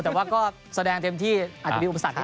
แต่ว่าก็แสดงเต็มที่อาจจะมีอุปสรรค์นิดหน่อย